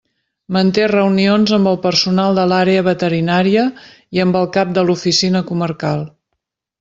Manté reunions amb el personal de l'Àrea Veterinària i amb el cap de l'Oficina Comarcal.